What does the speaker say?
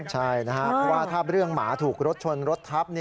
ใช่นะครับเพราะว่าถ้าเรื่องหมาถูกรถชนรถทับ